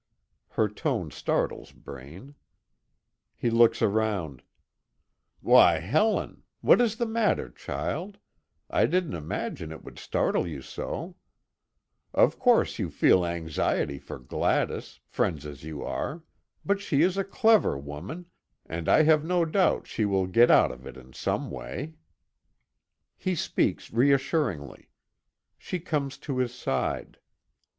Her tone startles Braine. He looks around: "Why Helen! What is the matter, child, I didn't imagine it would startle you so. Of course you feel anxiety for Gladys friends as you are but she is a clever woman, and I have no doubt she will get out of it in some way." He speaks reassuringly. She comes to his side.